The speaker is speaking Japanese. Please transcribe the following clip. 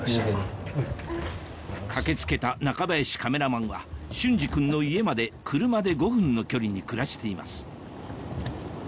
駆け付けた中林カメラマンは隼司君の家まで車で５分の距離に暮らしています